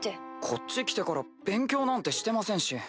こっち来てから勉強なんてしてませんし。